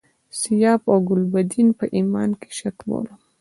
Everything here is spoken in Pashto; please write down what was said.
د سیاف او ګلبدین په ایمان کې شک بولم.